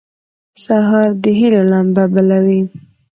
سهار د هيلو لمبه بلوي.